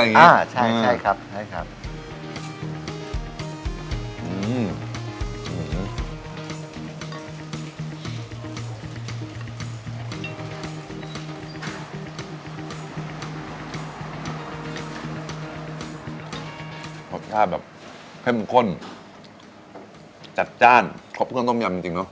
รสชาติแบบเข้มข้นจัดจ้านครบเครื่องต้มยำจริงเนอะ